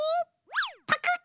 パクッ！